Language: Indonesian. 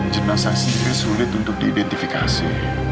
jenazah sendiri sulit untuk diidentifikasi